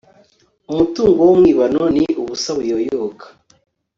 umutungo w'umwibano ni ubusa buyoyoka